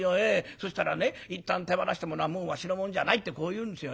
「そしたらねいったん手放したものはもうわしのもんじゃないってこう言うんですよ。